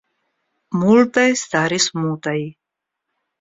Multaj staris mutaj.